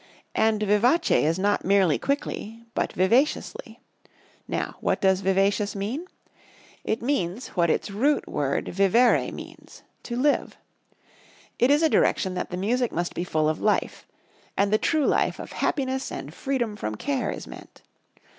And Vivace is not merely quickly, but vivaciously. Now what does vivacious mean? It means what its root word vivere means, to live. It is a direction that the music must be full of life; and the true life of happiness and freedom from care is meant.